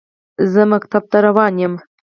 زه ښوونځي ته روان یم.